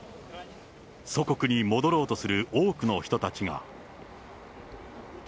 祖国に戻ろうとする多くの人たちが。